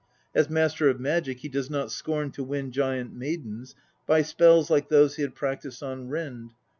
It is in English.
As master of magic he does not scorn to win giant maidens by spells like those he had practised on Rind (p.